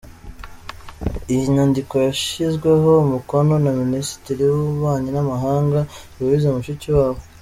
Iyi nyandiko yashyizweho umukono na Minisitiri w’Ububanyi n’Amahanga, Louise Mushikiwabo.